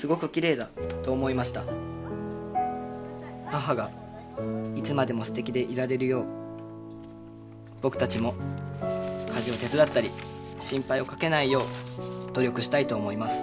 「母がいつまでもすてきでいられるよう僕たちも家事を手伝ったり心配をかけないよう努力したいと思います」